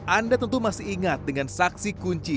anda tentu masih ingat dengan saksi kunci